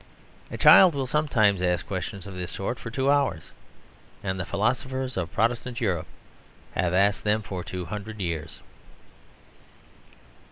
A child will sometimes ask questions of this sort for two hours. And the philosophers of Protestant Europe have asked them for two hundred years.